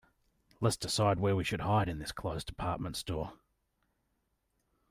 Let's decide where should we hide in this closed department store.